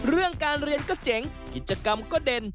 เรื่องการเรียนก็เจ๋งกิจกรรมก็เด่น